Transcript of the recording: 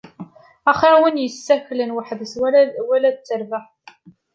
Axir win yessaklen weḥd-s wala d terbaεt.